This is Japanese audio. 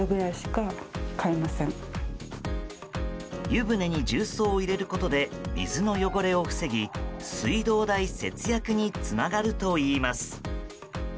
湯船に重曹を入れることで水の汚れを防ぎ水道代節約につながるといいます。